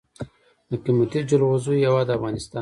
د قیمتي جلغوزیو هیواد افغانستان.